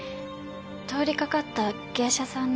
通りかかった芸者さんに。